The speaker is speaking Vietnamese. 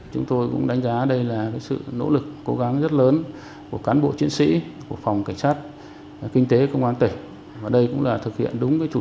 chúng tôi cũng đánh giá đây là sự nỗ lực cố gắng rất lớn của cán bộ chiến sĩ của phòng cảnh sát kinh tế công an tỉnh